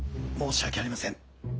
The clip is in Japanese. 申し訳ありません。